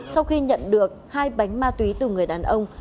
sau khi nhận được hai bánh ma túy từ người đàn ông